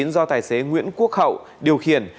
do tài xế nguyễn quốc hậu điều khiển